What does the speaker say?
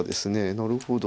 なるほど。